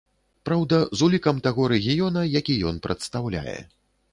Праўда, з улікам таго рэгіёна, які ён прадстаўляе.